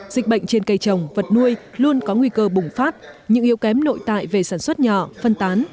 dịch bệnh trên cây trồng vật nuôi luôn có nguy cơ bùng phát những yếu kém nội tại về sản xuất nhỏ phân tán